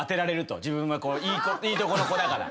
自分はいいとこの子だから。